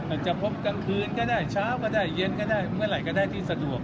อาจจะพบกลางคืนก็ได้เช้าก็ได้เย็นก็ได้เมื่อไหร่ก็ได้ที่สะดวก